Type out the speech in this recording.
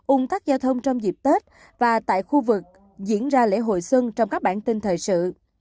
ung thắc giao thông trong dịp tết và tại khu vực diễn ra lễ hội xuân trong các bản tin thời sự